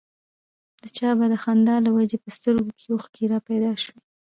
د چا به د خندا له وجې په سترګو کې اوښکې را پيدا شوې.